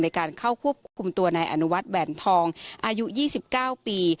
ในการเข้าควบคุมตัวนายอนุวัติแบ่นทองอายุยี่สิบเก้าปี